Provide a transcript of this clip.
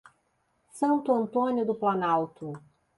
Santo Antônio do Planalto